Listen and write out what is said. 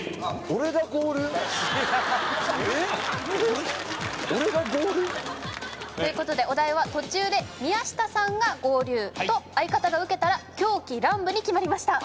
俺が合流？ということでお題は「途中で宮下さんが合流」と「相方がウケたら狂喜乱舞」に決まりました